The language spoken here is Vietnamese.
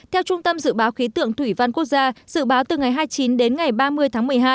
theo trung tâm dự báo khí tượng thủy văn quốc gia dự báo từ ngày hai mươi chín đến ngày ba mươi tháng một mươi hai